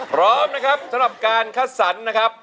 พร้อมนะครับสำหรับการคัดสรรนะครับ